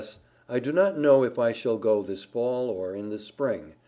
I do not know if I shall go this Fall, or in the Spring.